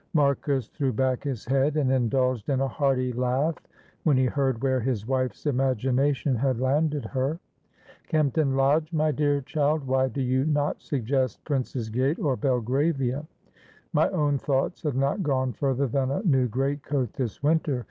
Marcus threw back his head and indulged in a hearty laugh, when he heard where his wife's imagination had landed her. "Kempton Lodge my dear child why do you not suggest Prince's Gate, or Belgravia? My own thoughts had not gone further than a new greatcoat this winter.